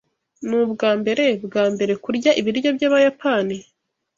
Nubwambere bwambere kurya ibiryo byabayapani?